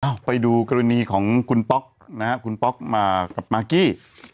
เพื่อดูกรณีของคุณป๊อกมากับมากกี้